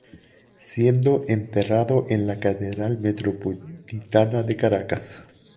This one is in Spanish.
Siendo enterrado en la Catedral Metropolitana de Caracas.